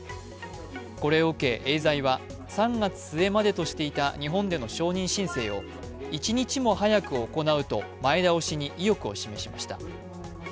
これを受け、エーザイは３月末までとしていた日本での承認申請を一日も早く行うと前倒しに意欲を示しました。